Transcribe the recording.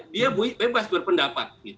dia bebas berpendapat